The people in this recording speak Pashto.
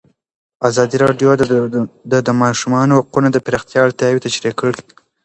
ازادي راډیو د د ماشومانو حقونه د پراختیا اړتیاوې تشریح کړي.